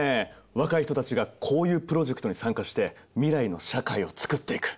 若い人たちがこういうプロジェクトに参加して未来の社会を作っていく。